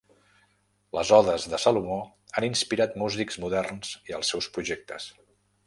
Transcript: Les odes de Salomó han inspirat músics moderns i els seus projectes.